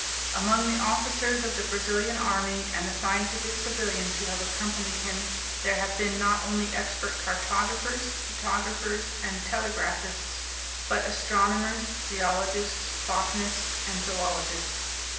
Among the officers of the Brazilian Army and the scientific civilians who have accompanied him there have been not only expert cartographers, photographers, and telegraphists, but astronomers, geologists, botanists, and zoologists.